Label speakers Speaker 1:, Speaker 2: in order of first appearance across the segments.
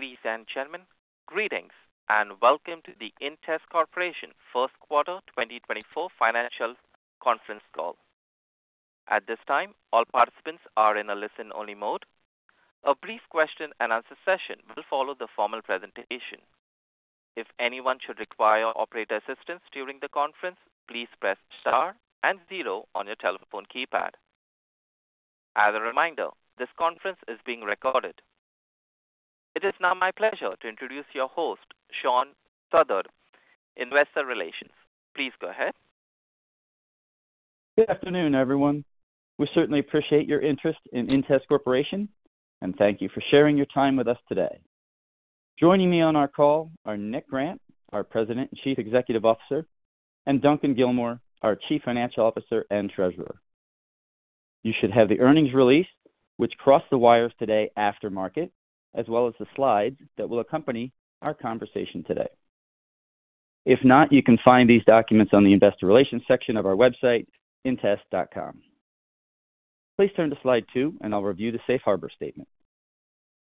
Speaker 1: Ladies and gentlemen, greetings, and welcome to the inTEST Corporation First Quarter 2024 Financial Conference Call. At this time, all participants are in a listen-only mode. A brief question-and-answer session will follow the formal presentation. If anyone should require operator assistance during the conference, please press Star and zero on your telephone keypad. As a reminder, this conference is being recorded. It is now my pleasure to introduce your host, Shawn Southard, Investor Relations. Please go ahead.
Speaker 2: Good afternoon, everyone. We certainly appreciate your interest in inTEST Corporation, and thank you for sharing your time with us today. Joining me on our call are Nick Grant, our President and Chief Executive Officer, and Duncan Gilmour, our Chief Financial Officer and Treasurer. You should have the earnings release, which crossed the wires today after market, as well as the slides that will accompany our conversation today. If not, you can find these documents on the Investor Relations section of our website, intest.com. Please turn to slide two and I'll review the safe harbor statement.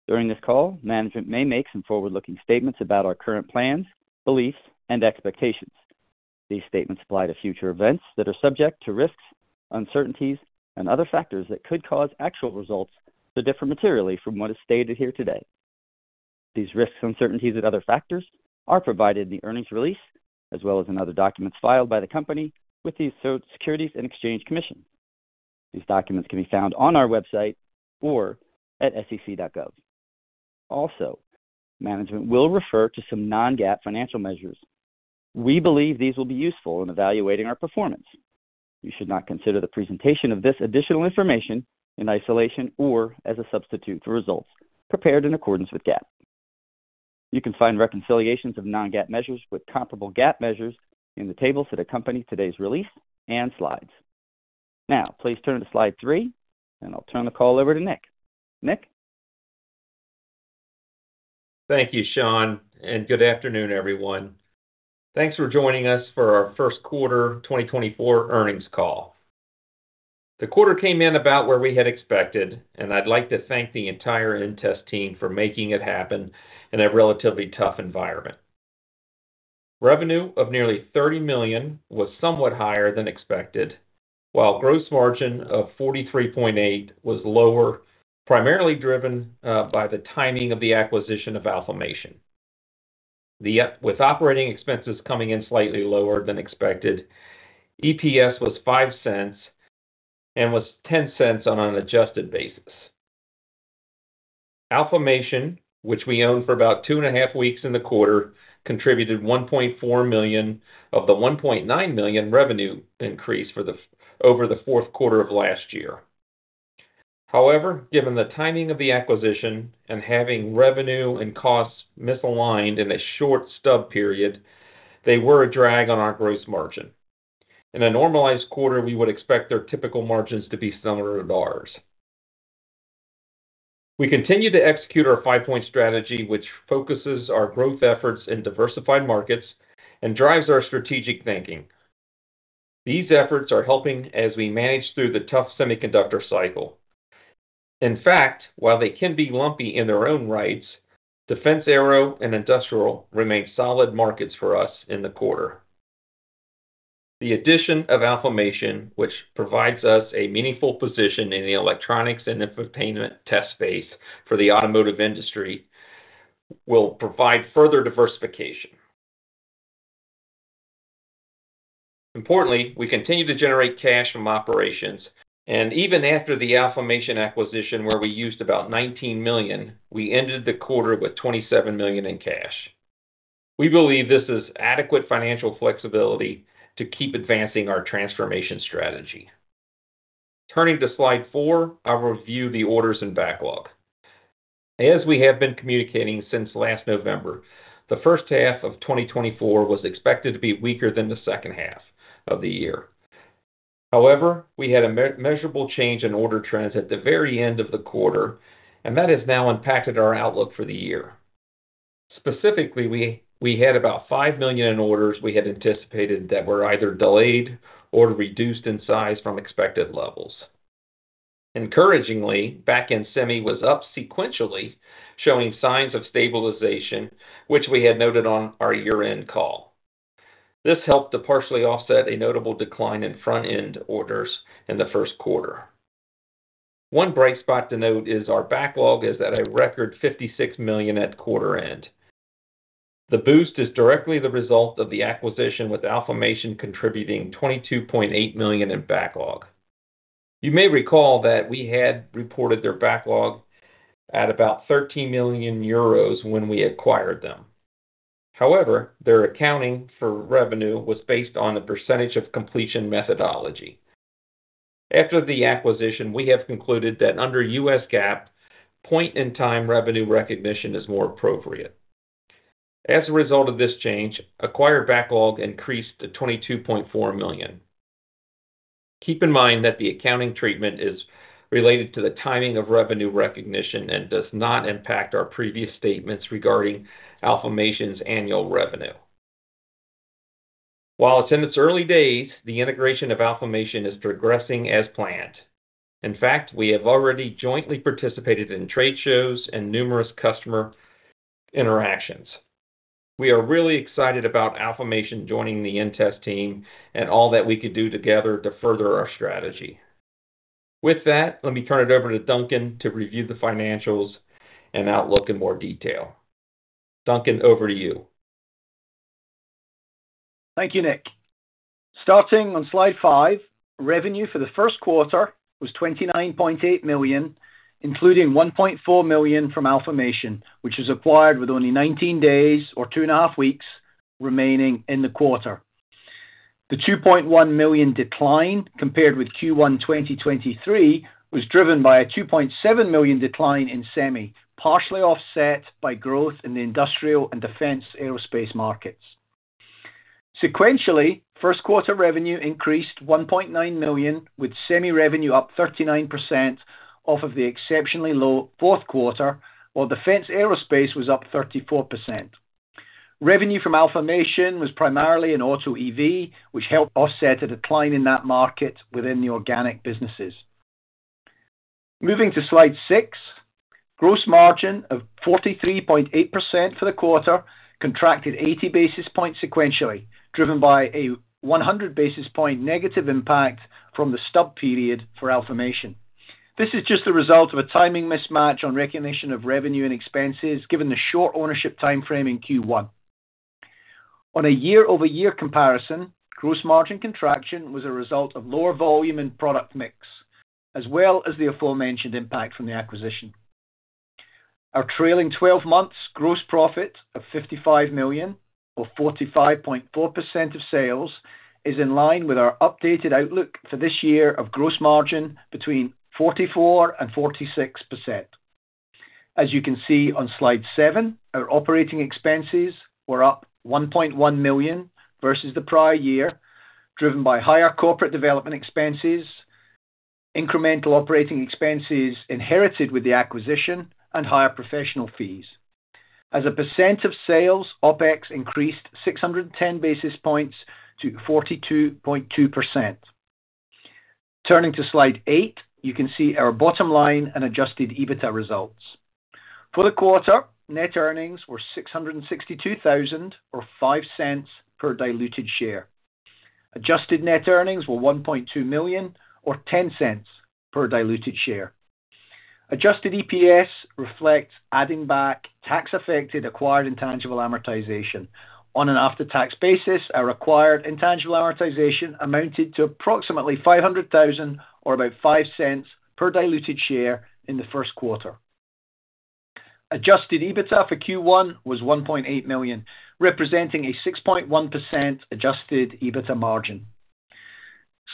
Speaker 2: During this call, management may make some forward-looking statements about our current plans, beliefs, and expectations. These statements apply to future events that are subject to risks, uncertainties, and other factors that could cause actual results to differ materially from what is stated here today. These risks, uncertainties, and other factors are provided in the earnings release, as well as in other documents filed by the company with the Securities and Exchange Commission. These documents can be found on our website or at sec.gov. Also, management will refer to some non-GAAP financial measures. We believe these will be useful in evaluating our performance. You should not consider the presentation of this additional information in isolation or as a substitute for results prepared in accordance with GAAP. You can find reconciliations of non-GAAP measures with comparable GAAP measures in the tables that accompany today's release and slides. Now, please turn to slide three, and I'll turn the call over to Nick. Nick?
Speaker 3: Thank you, Shawn, and good afternoon, everyone. Thanks for joining us for our first quarter 2024 earnings call. The quarter came in about where we had expected, and I'd like to thank the entire inTEST team for making it happen in a relatively tough environment. Revenue of nearly $30 million was somewhat higher than expected, while gross margin of 43.8% was lower, primarily driven by the timing of the acquisition of Alfamation. With operating expenses coming in slightly lower than expected, EPS was $0.05 and was $0.10 on an adjusted basis. Alfamation, which we owned for about 2.5 weeks in the quarter, contributed $1.4 million of the $1.9 million revenue increase over the fourth quarter of last year. However, given the timing of the acquisition and having revenue and costs misaligned in a short stub period, they were a drag on our gross margin. In a normalized quarter, we would expect their typical margins to be similar to ours. We continue to execute our five-point strategy, which focuses our growth efforts in diversified markets and drives our strategic thinking. These efforts are helping as we manage through the tough semiconductor cycle. In fact, while they can be lumpy in their own rights, defense, aero, and industrial remained solid markets for us in the quarter. The addition of Alfamation, which provides us a meaningful position in the electronics and infotainment test space for the automotive industry, will provide further diversification. Importantly, we continue to generate cash from operations, and even after the Alfamation acquisition, where we used about $19 million, we ended the quarter with $27 million in cash. We believe this is adequate financial flexibility to keep advancing our transformation strategy. Turning to slide four, I'll review the orders and backlog. As we have been communicating since last November, the first half of 2024 was expected to be weaker than the second half of the year. However, we had a measurable change in order trends at the very end of the quarter, and that has now impacted our outlook for the year. Specifically, we had about $5 million in orders we had anticipated that were either delayed or reduced in size from expected levels. Encouragingly, back-end semi was up sequentially, showing signs of stabilization, which we had noted on our year-end call. This helped to partially offset a notable decline in front-end orders in the first quarter. One bright spot to note is our backlog is at a record $56 million at quarter end. The boost is directly the result of the acquisition, with Alfamation contributing $22.8 million in backlog. You may recall that we had reported their backlog at about 13 million euros when we acquired them. However, their accounting for revenue was based on a percentage of completion methodology. After the acquisition, we have concluded that under US GAAP, point-in-time revenue recognition is more appropriate. As a result of this change, acquired backlog increased to $22.4 million. Keep in mind that the accounting treatment is related to the timing of revenue recognition and does not impact our previous statements regarding Alfamation's annual revenue. While it's in its early days, the integration of Alfamation is progressing as planned. In fact, we have already jointly participated in trade shows and numerous customer interactions. We are really excited about Alfamation joining the inTEST team, and all that we could do together to further our strategy. With that, let me turn it over to Duncan to review the financials and outlook in more detail. Duncan, over to you.
Speaker 4: Thank you, Nick. Starting on slide five, revenue for the first quarter was $29.8 million, including $1.4 million from Alfamation, which was acquired with only 19 days or two and a half weeks remaining in the quarter. The $2.1 million decline compared with Q1 2023, was driven by a $2.7 million decline in semi, partially offset by growth in the industrial and defense aerospace markets. Sequentially, first quarter revenue increased $1.9 million, with semi-revenue up 39% off of the exceptionally low fourth quarter, while defense aerospace was up 34%. Revenue from Alfamation was primarily in auto EV, which helped offset a decline in that market within the organic businesses. Moving to slide six, gross margin of 43.8% for the quarter contracted 80 basis points sequentially, driven by a 100 basis point negative impact from the stub period for Alfamation. This is just a result of a timing mismatch on recognition of revenue and expenses, given the short ownership timeframe in Q1. On a year-over-year comparison, gross margin contraction was a result of lower volume and product mix, as well as the aforementioned impact from the acquisition. Our trailing twelve months gross profit of $55 million, or 45.4% of sales, is in line with our updated outlook for this year of gross margin between 44% and 46%. As you can see on slide seven, our operating expenses were up $1.1 million versus the prior year, driven by higher corporate development expenses, incremental operating expenses inherited with the acquisition, and higher professional fees. As a percent of sales, OpEx increased 610 basis points to 42.2%. Turning to Slide 8, you can see our bottom line and adjusted EBITDA results. For the quarter, net earnings were $662,000, or $0.05 per diluted share. Adjusted net earnings were $1.2 million or $0.10 per diluted share. Adjusted EPS reflects adding back tax-affected, acquired, intangible amortization. On an after-tax basis, our acquired intangible amortization amounted to approximately $500,000 or about $0.05 per diluted share in the first quarter. Adjusted EBITDA for Q1 was $1.8 million, representing a 6.1% adjusted EBITDA margin.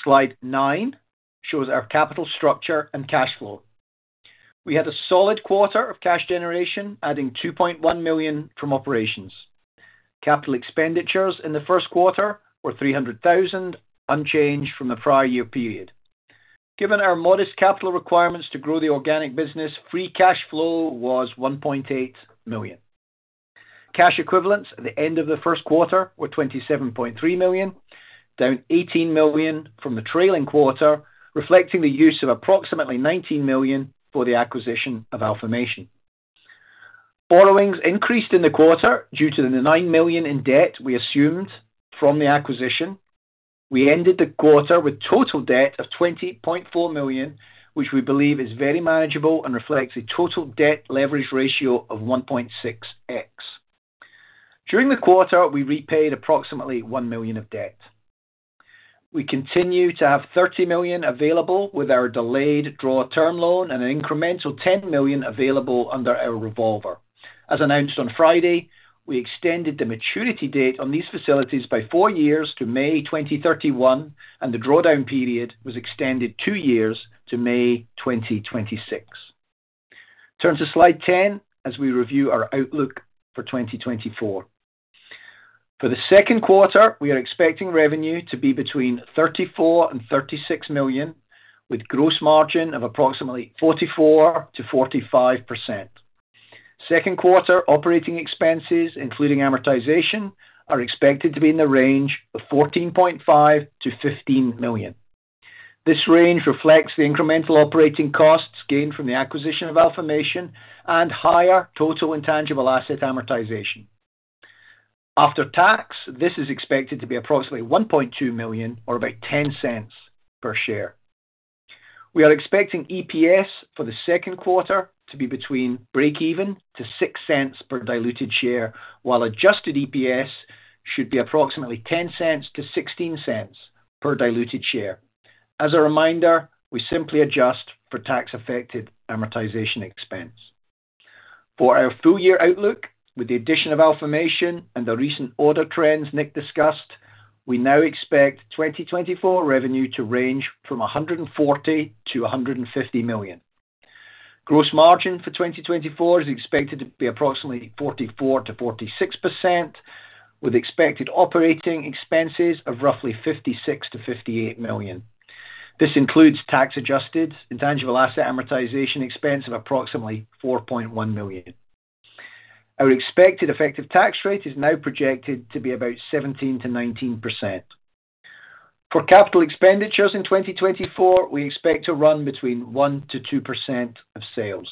Speaker 4: Slide nine shows our capital structure and cash flow. We had a solid quarter of cash generation, adding $2.1 million from operations. Capital expenditures in the first quarter were $300,000, unchanged from the prior year period. Given our modest capital requirements to grow the organic business, free cash flow was $1.8 million. Cash equivalents at the end of the first quarter were $27.3 million, down $18 million from the trailing quarter, reflecting the use of approximately $19 million for the acquisition of Alfamation. Borrowings increased in the quarter due to the $9 million in debt we assumed from the acquisition. We ended the quarter with total debt of $20.4 million, which we believe is very manageable and reflects a total debt leverage ratio of 1.6x. During the quarter, we repaid approximately $1 million of debt. We continue to have $30 million available with our delayed draw term loan and an incremental $10 million available under our revolver. As announced on Friday, we extended the maturity date on these facilities by four years to May 2031, and the drawdown period was extended two years to May 2026. Turn to slide 10 as we review our outlook for 2024. For the second quarter, we are expecting revenue to be between $34 million-$36 million, with gross margin of approximately 44%-45%. Second quarter operating expenses, including amortization, are expected to be in the range of $14.5 million-$15 million. This range reflects the incremental operating costs gained from the acquisition of Alfamation and higher total intangible asset amortization. After tax, this is expected to be approximately $1.2 million or about $0.10 per share. We are expecting EPS for the second quarter to be between breakeven to $0.06 per diluted share, while adjusted EPS should be approximately $0.10-$0.16 per diluted share. As a reminder, we simply adjust for tax-affected amortization expense. For our full-year outlook, with the addition of Alfamation and the recent order trends Nick discussed, we now expect 2024 revenue to range from $140 million-$150 million. Gross margin for 2024 is expected to be approximately 44%-46%, with expected operating expenses of roughly $56 million-$58 million. This includes tax-adjusted intangible asset amortization expense of approximately $4.1 million. Our expected effective tax rate is now projected to be about 17%-19%. For capital expenditures in 2024, we expect to run between 1%-2% of sales.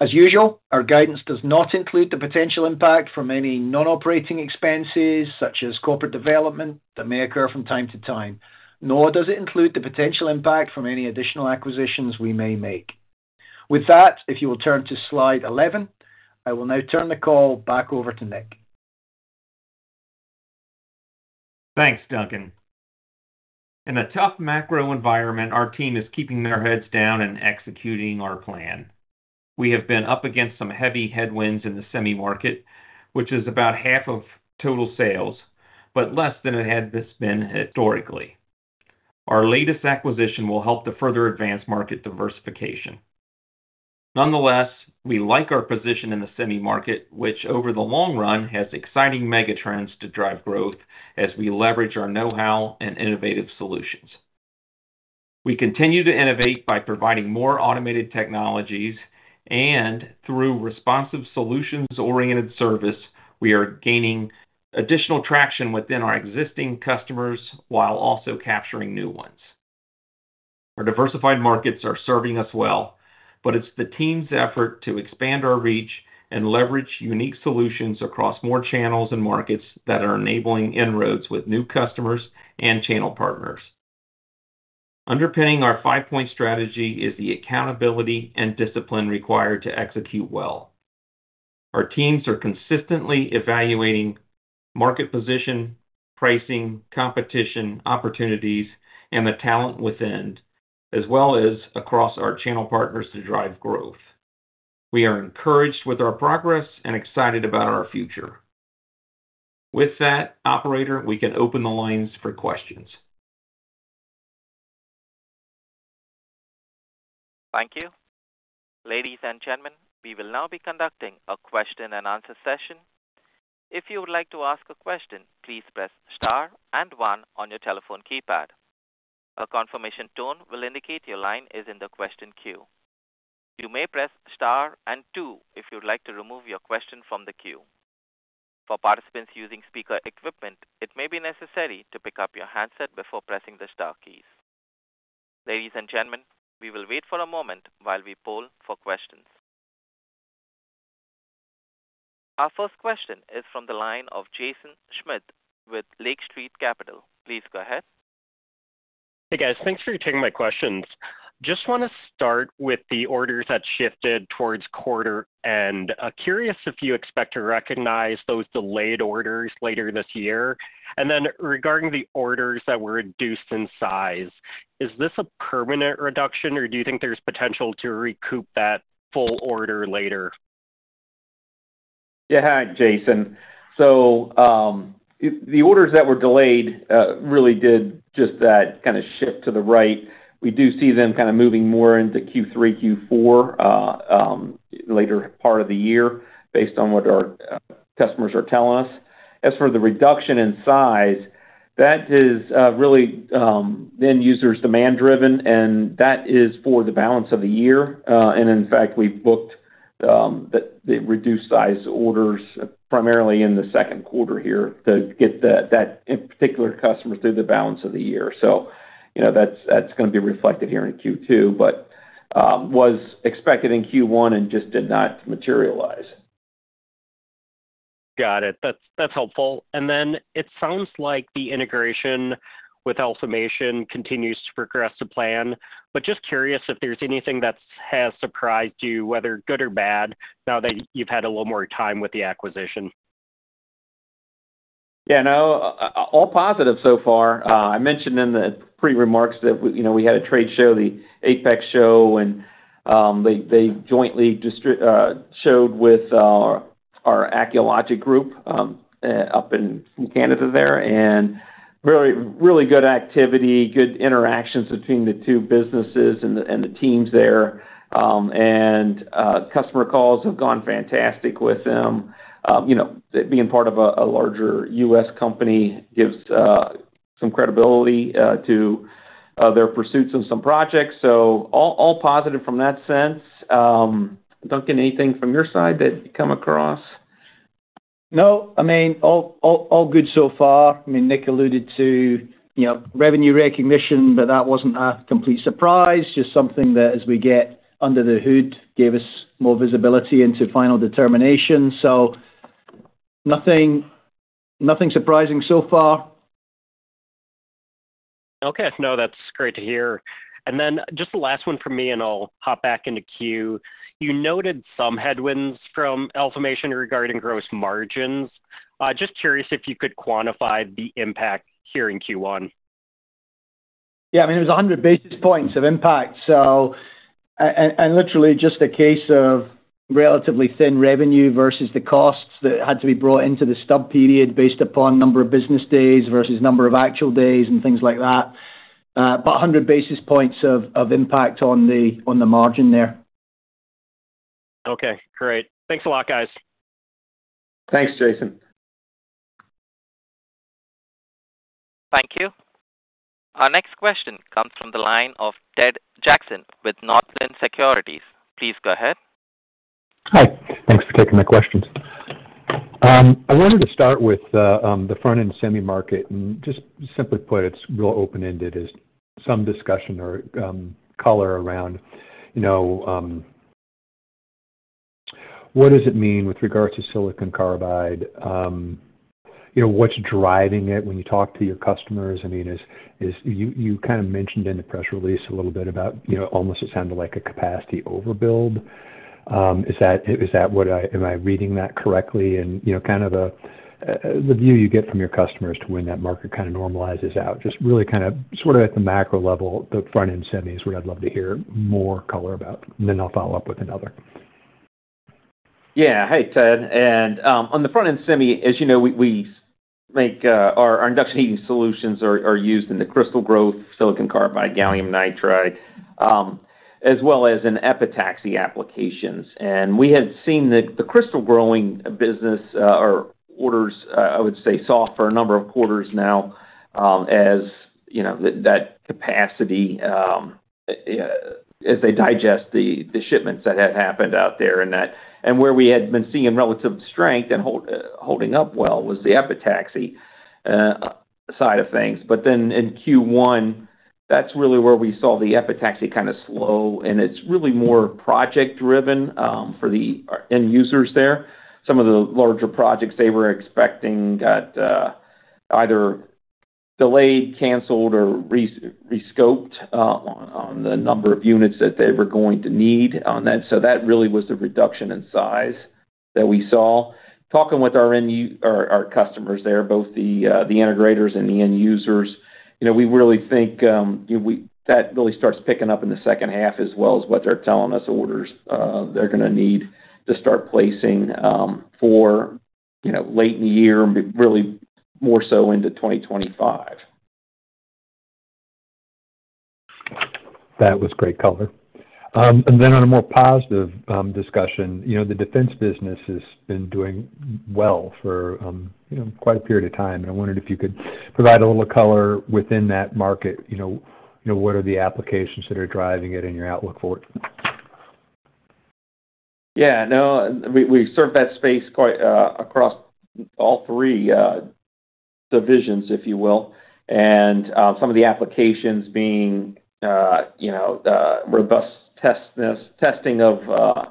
Speaker 4: As usual, our guidance does not include the potential impact from any non-operating expenses, such as corporate development, that may occur from time to time, nor does it include the potential impact from any additional acquisitions we may make. With that, if you will turn to slide 11, I will now turn the call back over to Nick.
Speaker 3: Thanks, Duncan. In a tough macro environment, our team is keeping their heads down and executing our plan. We have been up against some heavy headwinds in the semi market, which is about half of total sales, but less than it has been this historically. Our latest acquisition will help to further advance market diversification. Nonetheless, we like our position in the semi market, which over the long run has exciting megatrends to drive growth as we leverage our know-how and innovative solutions. We continue to innovate by providing more automated technologies, and through responsive solutions-oriented service, we are gaining additional traction within our existing customers while also capturing new ones. Our diversified markets are serving us well, but it's the team's effort to expand our reach and leverage unique solutions across more channels and markets that are enabling inroads with new customers and channel partners. Underpinning our five-point strategy is the accountability and discipline required to execute well. Our teams are consistently evaluating market position, pricing, competition, opportunities, and the talent within, as well as across our channel partners to drive growth. We are encouraged with our progress and excited about our future. With that, operator, we can open the lines for questions.
Speaker 1: Thank you. Ladies and gentlemen, we will now be conducting a Q&A session. If you would like to ask a question, please press star and one on your telephone keypad. A confirmation tone will indicate your line is in the question queue. You may press star and two if you'd like to remove your question from the queue. For participants using speaker equipment, it may be necessary to pick up your handset before pressing the star keys. Ladies and gentlemen, we will wait for a moment while we poll for questions. Our first question is from the line of Jaeson Schmidt with Lake Street Capital. Please go ahead.
Speaker 5: Hey, guys. Thanks for taking my questions. Just want to start with the orders that shifted towards quarter end. Curious if you expect to recognize those delayed orders later this year? And then regarding the orders that were reduced in size, is this a permanent reduction, or do you think there's potential to recoup that full order later?
Speaker 3: Yeah. Hi, Jaeson. So, the orders that were delayed really did just that kind of shift to the right. We do see them kind of moving more into Q3, Q4, later part of the year based on what our customers are telling us. As for the reduction in size, that is really the end user's demand-driven, and that is for the balance of the year. And in fact, we've booked the reduced size orders primarily in the second quarter here to get that particular customer through the balance of the year. So you know, that's gonna be reflected here in Q2, but was expected in Q1 and just did not materialize.
Speaker 5: Got it. That's, that's helpful. And then it sounds like the integration with Alfamation continues to progress to plan, but just curious if there's anything that has surprised you, whether good or bad, now that you've had a little more time with the acquisition.
Speaker 3: Yeah, no, all positive so far. I mentioned in the pre-remarks that we, you know, we had a trade show, the APEX show, and they jointly showed with our Acculogic group up in Canada there, and really, really good activity, good interactions between the two businesses and the teams there. And customer calls have gone fantastic with them. You know, being part of a larger U.S. company gives some credibility to their pursuits on some projects. So all positive from that sense. Duncan, anything from your side that come across?
Speaker 4: No, I mean, all good so far. I mean, Nick alluded to, you know, revenue recognition, but that wasn't a complete surprise, just something that, as we get under the hood, gave us more visibility into final determination. So nothing surprising so far.
Speaker 5: Okay. No, that's great to hear. And then just the last one from me, and I'll hop back in the queue. You noted some headwinds from Alfamation regarding gross margins. Just curious if you could quantify the impact here in Q1?
Speaker 4: Yeah, I mean, it was 100 basis points of impact, so. And literally just a case of relatively thin revenue versus the costs that had to be brought into the stub period based upon number of business days versus number of actual days and things like that. But 100 basis points of impact on the margin there.
Speaker 5: Okay, great. Thanks a lot, guys.
Speaker 3: Thanks, Jaeson.
Speaker 1: Thank you. Our next question comes from the line of Ted Jackson with Northland Securities. Please go ahead.
Speaker 6: Hi. Thanks for taking my questions. I wanted to start with, the front-end semi market, and just simply put, it's real open-ended, is some discussion or, color around, you know, what does it mean with regards to silicon carbide? You know, what's driving it when you talk to your customers? I mean, is, is you, you kind of mentioned in the press release a little bit about, you know, almost it sounded like a capacity overbuild. Is that, is that what I, am I reading that correctly? And, you know, kind of the, the view you get from your customers to when that market kind of normalizes out. Just really kind of sort of at the macro level, the front-end semi is where I'd love to hear more color about, and then I'll follow up with another.
Speaker 3: Yeah. Hey, Ted, and on the front-end semi, as you know, we make our induction heating solutions are used in the crystal growth, silicon carbide, gallium nitride, as well as in epitaxy applications. And we had seen the crystal growing business, or orders, I would say, saw for a number of quarters now, as you know, that capacity, as they digest the shipments that had happened out there, and that. And where we had been seeing relative strength and hold, holding up well was the epitaxy side of things. But then in Q1, that's really where we saw the epitaxy kind of slow, and it's really more project driven, for the end users there. Some of the larger projects they were expecting got either delayed, canceled, or rescoped on the number of units that they were going to need on that. So that really was the reduction in size that we saw. Talking with our end users, our customers there, both the integrators and the end users, you know, we really think that really starts picking up in the second half, as well as what they're telling us, orders they're gonna need to start placing for, you know, late in the year, really more so into 2025.
Speaker 6: That was great color. And then on a more positive discussion, you know, the defense business has been doing well for, you know, quite a period of time, and I wondered if you could provide a little color within that market. You know, you know, what are the applications that are driving it and your outlook for it?
Speaker 3: Yeah. No, we serve that space quite across all three divisions, if you will, and some of the applications being you know robust testing of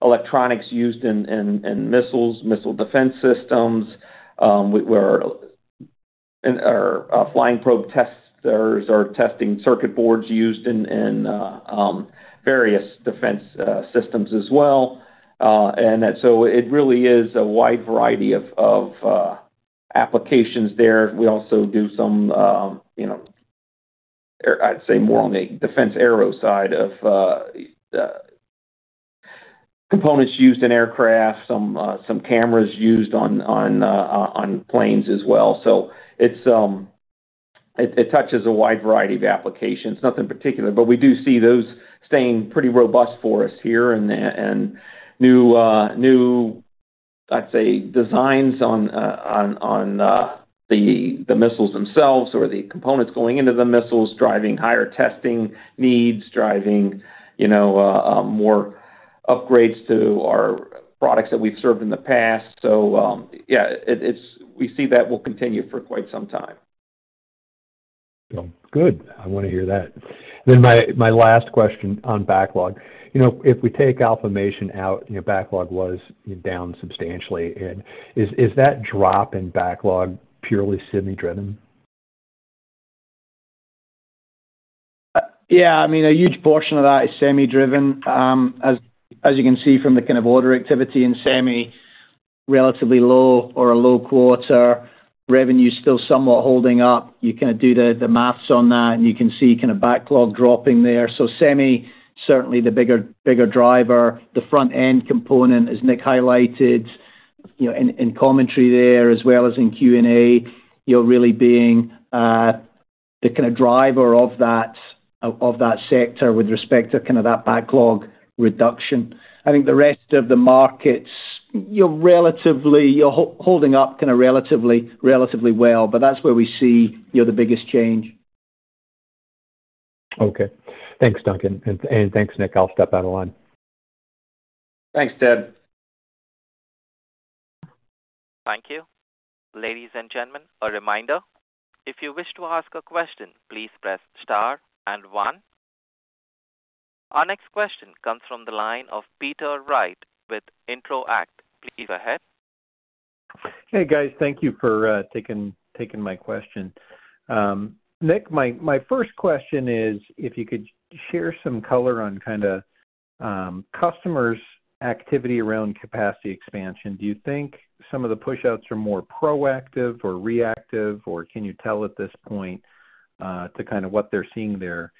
Speaker 3: electronics used in missiles, missile defense systems, where and our flying probe testers are testing circuit boards used in various defense systems as well. And so it really is a wide variety of applications there. We also do some you know I'd say more on the defense aero side of components used in aircraft, some cameras used on planes as well. So it touches a wide variety of applications, nothing particular, but we do see those staying pretty robust for us here and new I'd say designs on the missiles themselves or the components going into the missiles, driving higher testing needs, driving you know more upgrades to our products that we've served in the past. So yeah it's we see that will continue for quite some time.
Speaker 6: Well, good. I want to hear that. Then my, my last question on backlog. You know, if we take Alfamation out, your backlog was down substantially. And is, is that drop in backlog purely semi-driven?
Speaker 4: Yeah, I mean, a huge portion of that is semi-driven. As you can see from the kind of order activity in semi, relatively low or a low quarter, revenue is still somewhat holding up. You kind of do the math on that, and you can see kind of backlog dropping there. So semi, certainly the bigger driver, the front-end component, as Nick highlighted, you know, in commentary there, as well as in Q&A, you know, really being the kind of driver of that, of that sector with respect to kind of that backlog reduction. I think the rest of the markets, you're holding up kind of relatively, relatively well, but that's where we see, you know, the biggest change.
Speaker 6: Okay. Thanks, Duncan, and thanks, Nick. I'll step out of line.
Speaker 3: Thanks, Ted.
Speaker 1: Thank you. Ladies and gentlemen, a reminder, if you wish to ask a question, please press star and one. Our next question comes from the line of Peter Wright with Intro-act. Please go ahead.
Speaker 7: Hey, guys. Thank you for taking my question. Nick, my first question is, if you could share some color on kind of customers' activity around capacity expansion. Do you think some of the pushouts are more proactive or reactive, or can you tell at this point to kind of what they're seeing there?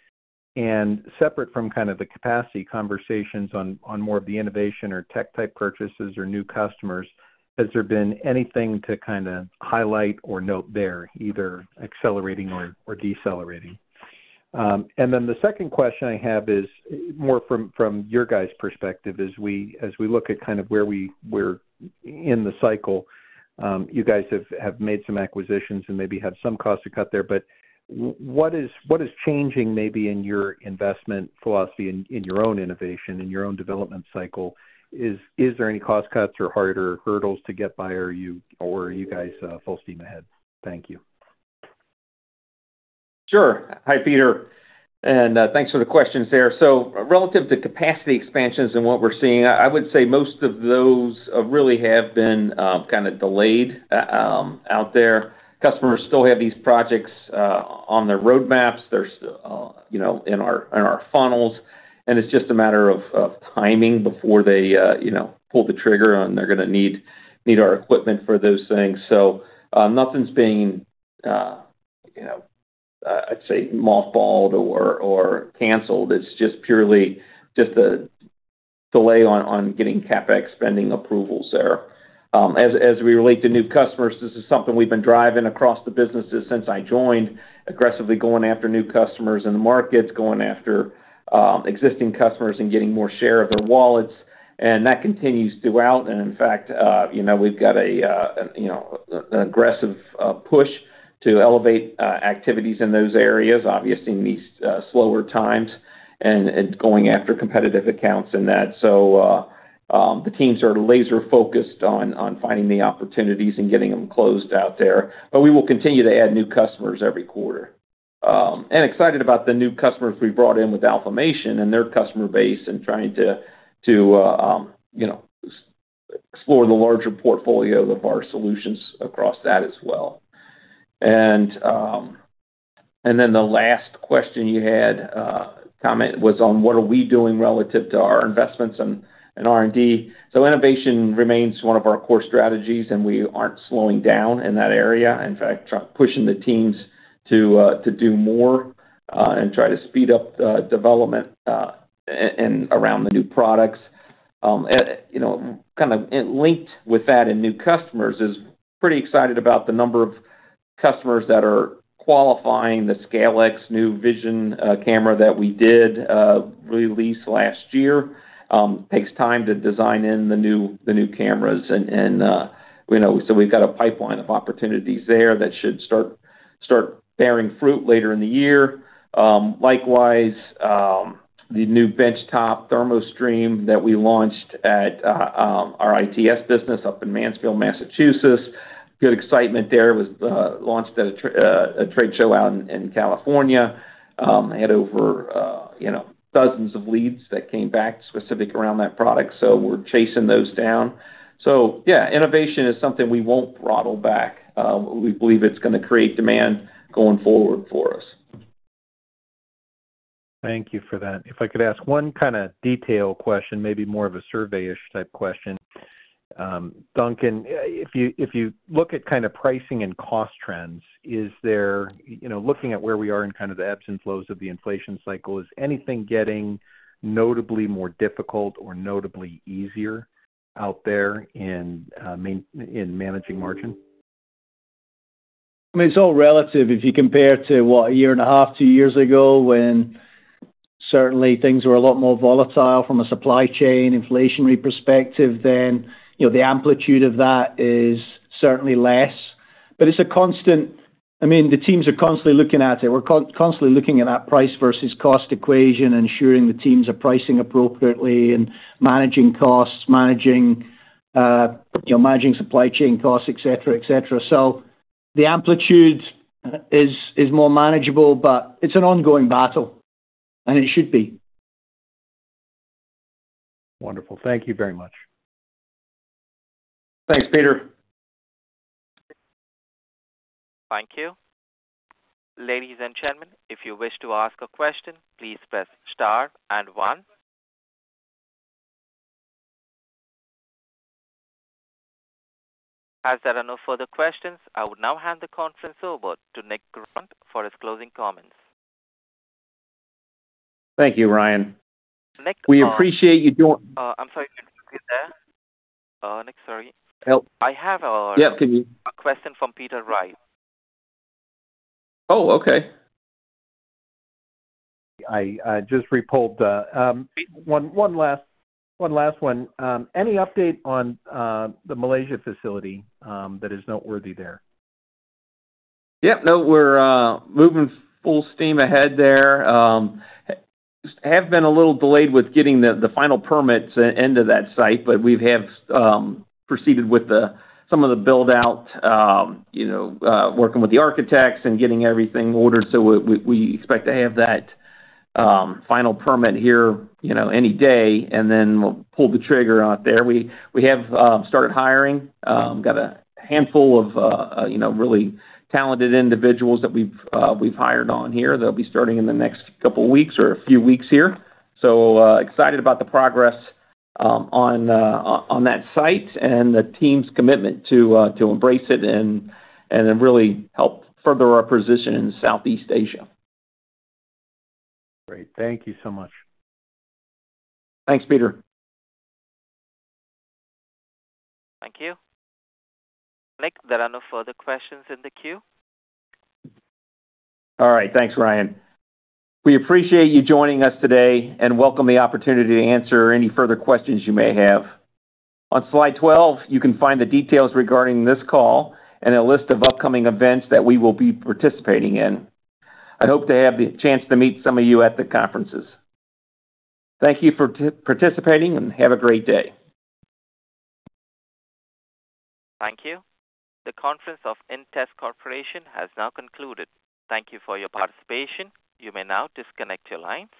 Speaker 7: And separate from kind of the capacity conversations on more of the innovation or tech type purchases or new customers, has there been anything to kind of highlight or note there, either accelerating or decelerating? And then the second question I have is more from your guys' perspective as we look at kind of where we're in the cycle. You guys have made some acquisitions and maybe had some costs to cut there, but what is changing maybe in your investment philosophy, in your own innovation, in your own development cycle? Is there any cost cuts or harder hurdles to get by, or are you, or are you guys, full steam ahead? Thank you.
Speaker 3: Sure. Hi, Peter, and thanks for the questions there. So relative to capacity expansions and what we're seeing, I would say most of those really have been kind of delayed out there. Customers still have these projects on their roadmaps. They're still, you know, in our funnels, and it's just a matter of timing before they, you know, pull the trigger on they're gonna need our equipment for those things. So nothing's being, you know, I'd say, mothballed or canceled. It's just purely just a delay on getting CapEx spending approvals there. As we relate to new customers, this is something we've been driving across the businesses since I joined, aggressively going after new customers in the markets, going after existing customers and getting more share of their wallets. That continues throughout. In fact, you know, we've got a you know, an aggressive push to elevate activities in those areas, obviously, in these slower times and going after competitive accounts in that. So the teams are laser focused on finding the opportunities and getting them closed out there. But we will continue to add new customers every quarter. And excited about the new customers we brought in with Alfamation and their customer base, and trying to you know, explore the larger portfolio of our solutions across that as well. And then the last question you had, comment, was on what are we doing relative to our investments in R&D? So innovation remains one of our core strategies, and we aren't slowing down in that area. In fact, pushing the teams to do more and try to speed up development around the new products. You know, kind of linked with that in new customers is pretty excited about the number of customers that are qualifying the SCAiLX new vision camera that we did release last year. Takes time to design in the new cameras. You know, so we've got a pipeline of opportunities there that should start bearing fruit later in the year. Likewise, the new benchtop ThermoStream that we launched at our ITS business up in Mansfield, Massachusetts. Good excitement there. It was launched at a trade show out in California. Had over, you know, dozens of leads that came back specific around that product, so we're chasing those down. So yeah, innovation is something we won't throttle back. We believe it's gonna create demand going forward for us.
Speaker 7: Thank you for that. If I could ask one kind of detail question, maybe more of a survey-ish type question. Duncan, if you, if you look at kind of pricing and cost trends, is there. You know, looking at where we are in kind of the ebbs and flows of the inflation cycle, is anything getting notably more difficult or notably easier out there in managing margin?
Speaker 4: I mean, it's all relative. If you compare to, what? A year and a half, two years ago, when certainly things were a lot more volatile from a supply chain, inflationary perspective, then, you know, the amplitude of that is certainly less. But it's a constant, I mean, the teams are constantly looking at it. We're constantly looking at that price versus cost equation, ensuring the teams are pricing appropriately and managing costs, managing, you know, managing supply chain costs, et cetera, et cetera. So the amplitude is more manageable, but it's an ongoing battle, and it should be.
Speaker 7: Wonderful. Thank you very much.
Speaker 3: Thanks, Peter.
Speaker 1: Thank you. Ladies and gentlemen, if you wish to ask a question, please press Star and One. As there are no further questions, I would now hand the conference over to Nick Grant for his closing comments.
Speaker 3: Thank you, Ryan.
Speaker 1: Nick.
Speaker 3: We appreciate you.
Speaker 1: I'm sorry, Nick, you there? Nick, sorry.
Speaker 3: Yep.
Speaker 1: I have a question from Peter Wright.
Speaker 3: Oh, okay.
Speaker 7: I just re-pulled the one last one. Any update on the Malaysia facility that is noteworthy there?
Speaker 3: Yep. No, we're moving full steam ahead there. Just have been a little delayed with getting the final permits into that site, but we have proceeded with some of the build-out, you know, working with the architects and getting everything ordered. So we expect to have that final permit here, you know, any day, and then we'll pull the trigger out there. We have started hiring. Got a handful of, you know, really talented individuals that we've hired on here. They'll be starting in the next couple weeks or a few weeks here. So, excited about the progress on that site and the team's commitment to embrace it and then really help further our position in Southeast Asia.
Speaker 7: Great. Thank you so much.
Speaker 3: Thanks, Peter.
Speaker 1: Thank you. Nick, there are no further questions in the queue.
Speaker 3: All right. Thanks, Ryan. We appreciate you joining us today, and welcome the opportunity to answer any further questions you may have. On slide 12, you can find the details regarding this call and a list of upcoming events that we will be participating in. I hope to have the chance to meet some of you at the conferences. Thank you for participating, and have a great day.
Speaker 1: Thank you. The conference of inTEST Corporation has now concluded. Thank you for your participation. You may now disconnect your lines.